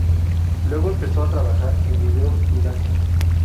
Luego empezó a trabajar en videos y danza.